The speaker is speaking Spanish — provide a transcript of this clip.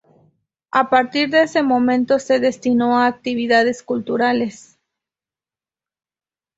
A partir de ese momento se destinó a actividades culturales.